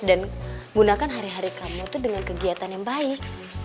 dan gunakan hari hari kamu tuh dengan kegiatan yang baik